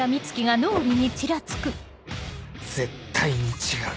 絶対に違う！